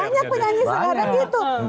eh banyak penyanyi sekarang gitu